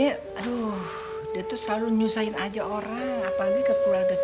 kasihan juga sih sebetulnya